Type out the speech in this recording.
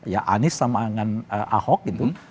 ya anies sama dengan ahok gitu